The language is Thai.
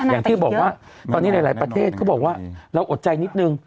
อย่างที่บอกว่าตอนนี้หลายประเทศเขาบอกว่าเราอดใจนิดนึง